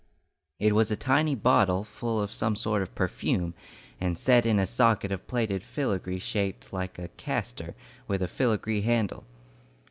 It was a tiny bottle full of some sort of perfume, and set in a socket of plated filagree shaped like a caster, with a filagree handle.